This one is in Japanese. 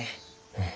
うん。